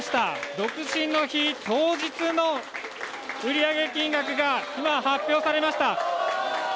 独身の日当日の売上金額が今、発表されました。